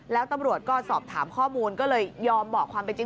แล้วตำรวจก็สอบถามข้อมูลก็เลยยอมบอกความเป็นจริง